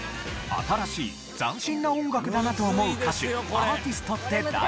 新しい斬新な音楽だなと思う歌手アーティストって誰？